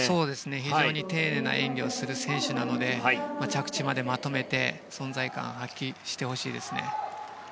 非常に丁寧な演技をする選手なので着地までまとめて存在感を発揮してほしいですね。